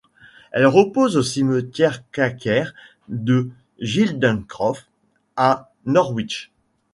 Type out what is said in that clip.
Elle repose au cimetière quaker de Gildencroft, à Norwich.